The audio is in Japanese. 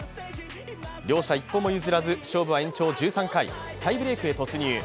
両者一歩も譲らず、勝負は延長１３回タイブレークへ突入。